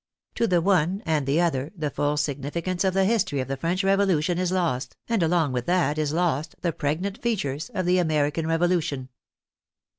To the one and the other the full significance of the history of the French Revolu tion is lost, and along with that is lost the pregnant features of the American Revolution.